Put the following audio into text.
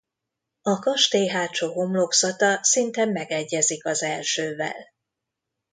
A kastély hátsó homlokzata szinte megegyezik az elsővel.